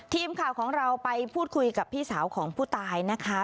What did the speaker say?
ทีมข่าวของเราไปพูดคุยกับพี่สาวของผู้ตายนะคะ